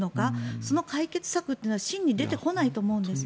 その解決策は真に出てこないと思うんです。